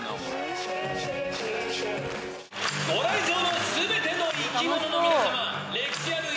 ご来場の全ての生き物の皆さま。